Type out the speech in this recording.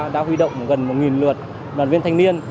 đã huy động gần một lượt đoàn viên thanh niên